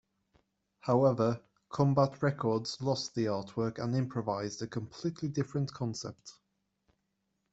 However, Combat Records lost the artwork and improvised a completely different concept.